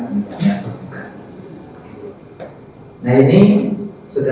ini tidak bisa dibuka